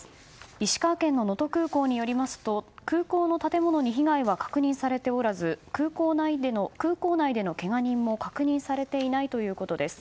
石川県の能登空港によりますと空港の建物に被害は確認されておらず空港内でのけが人も確認されていないということです。